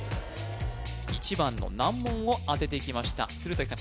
１番の難問を当ててきました鶴崎さん